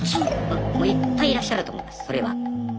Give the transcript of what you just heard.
もういっぱいいらっしゃると思いますそれは。